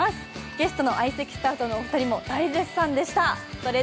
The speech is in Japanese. ゲストの相席スタートのお二人も大絶賛でした。